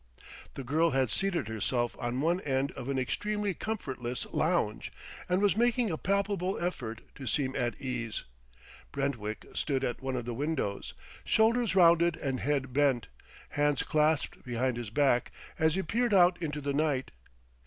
The girl had seated herself on one end of an extremely comfortless lounge and was making a palpable effort to seem at ease. Brentwick stood at one of the windows, shoulders rounded and head bent, hands clasped behind his back as he peered out into the night.